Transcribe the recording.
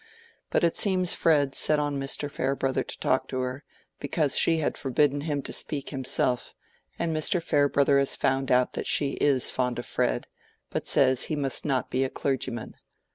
But it seems Fred set on Mr. Farebrother to talk to her, because she had forbidden him to speak himself, and Mr. Farebrother has found out that she is fond of Fred, but says he must not be a clergyman.